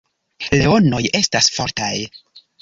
Leonoj estas fortaj.